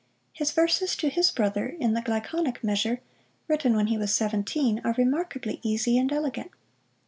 His verses to his brother, in the glyconic measure, written when he was seventeen, are remarkably easy and elegant.